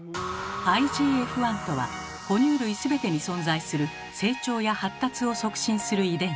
「ＩＧＦ１」とは哺乳類全てに存在する成長や発達を促進する遺伝子。